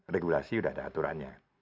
regulasi sudah ada aturannya